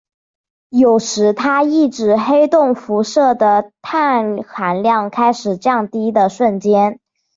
有时它亦指黑洞辐射的熵含量开始降低的瞬间。